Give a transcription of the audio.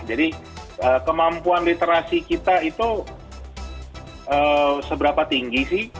jadi kemampuan literasi kita itu seberapa tinggi sih